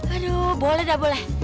aduh boleh dah boleh